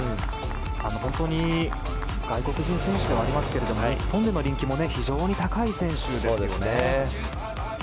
本当に外国人選手ではありますが日本での人気も非常に高い選手ですね。